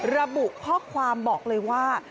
ระบุข้อความบอกเลยว่า